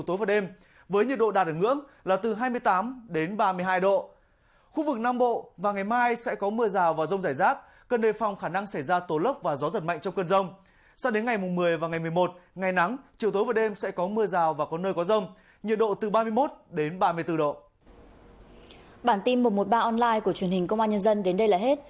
thả tin một trăm một mươi ba online của truyền hình công an nhân dân đến đây là hết cảm ơn quý vị các đồng chí và các bạn đã quan tâm theo dõi xin kính chào tạm biệt